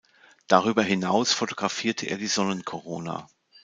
Darüber hinaus fotografierte er die Sonnenkorona.